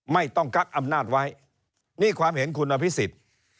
ไม่ต้องกักอำนาจไว้นี่ความเห็นคุณอภิษฎ